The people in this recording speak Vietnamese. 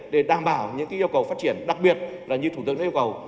để đảm bảo những cái yêu cầu phát triển đặc biệt là như thủ tượng đã yêu cầu